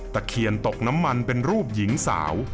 ตะเคียนตกน้ำมันเป็นรูปหญิงสาว